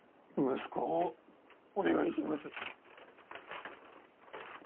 息子をお願いします。